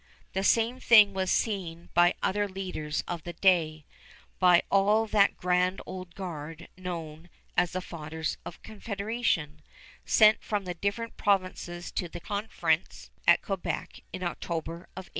The same thing was seen by other leaders of the day, by all that grand old guard known as the Fathers of Confederation, sent from the different provinces to the conference at Quebec in October of 1864.